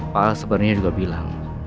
pak al sebenernya juga bilang